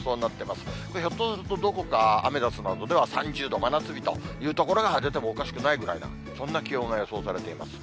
これ、ひょっとすると、どこかアメダスなどでは３０度真夏日という所が出てもおかしくないぐらいな、そんな気温が予想されています。